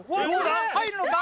入るのか？